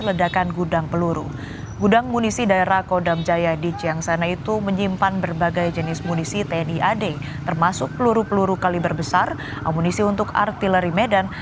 ledakan mengakibatkan gudang amunisi terbakar hebat